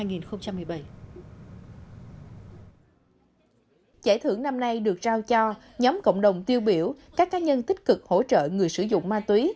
giải thưởng năm nay được trao cho nhóm cộng đồng tiêu biểu các cá nhân tích cực hỗ trợ người sử dụng ma túy